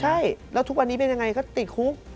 ใช่แล้วทุกวันนี้เป็นยังไงก็ติดคุก